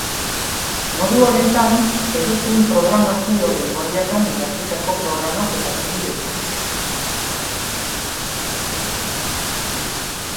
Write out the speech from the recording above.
Modu honetan, edozein programazio-lengoaiatan idatzitako programak erabili daitezke.